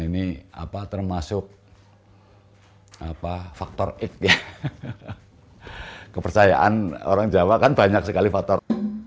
ini apa termasuk hai apa faktor ikhlas kepercayaan orang jawa kan banyak sekali faktor